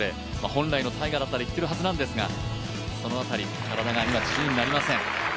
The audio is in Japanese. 本来のタイガーだったら、いってるはずなんですがその辺り、体が今、自由になりません。